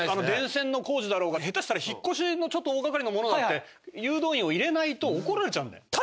電線の工事だろうが下手したら引っ越しのちょっと大がかりなものだって誘導員を入れないと怒られちゃうんだよ。